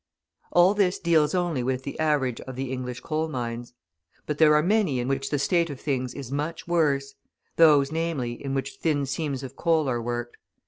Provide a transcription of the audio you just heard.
All this deals only with the average of the English coal mines. But there are many in which the state of things is much worse, those, namely, in which thin seams of coal are worked.